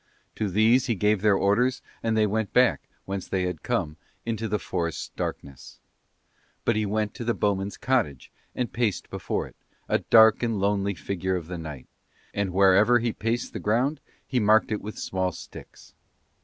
To these he gave their orders and they went back, whence they had come, into the forest's darkness. But he went to the bowmen's cottage and paced before it, a dark and lonely figure of the night; and wherever he paced the ground he marked it with small sticks.